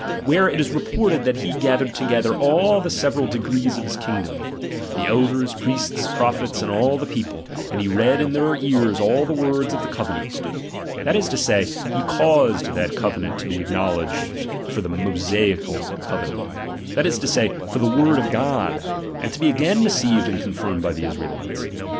where it is reported that he gathered together all the several degrees of his kingdom, the elders, priests, prophets, and all the people : and he read in their ears all the words of the covenant ; that is to say, he caused that covenant to be acknowledged for the Mosaical covenant ; that is to say, for the word of God ; and to be again received and confirmed by the Israelites.